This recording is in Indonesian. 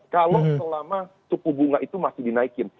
kalau selama suku bunga itu masih dinaikin